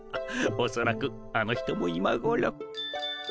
おそらくあの人もいまごろ。